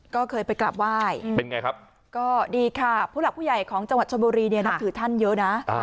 ก็เคยไปกราบไหว้เป็นไงครับก็ดีค่ะผู้หลักผู้ใหญ่ของจังหวัดชนบุรีเนี่ยนับถือท่านเยอะนะ